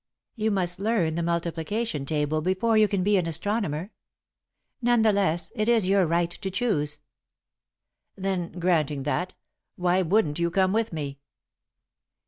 You must learn the multiplication table before you can be an astronomer. None the less, it is your right to choose." "Then, granting that, why wouldn't you come with me?"